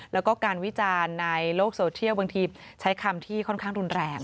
แล้วก็การวิจารณ์ในโลกโซเทียลบางทีใช้คำที่ค่อนข้างรุนแรง